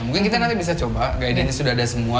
mungkin kita nanti bisa coba guidannya sudah ada semua